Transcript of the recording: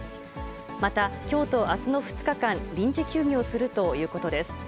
また、きょうとあすの２日間、臨時休業するということです。